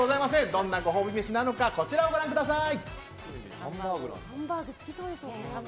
どんなご褒美飯なのかこちらをご覧ください。